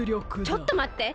ちょっとまって！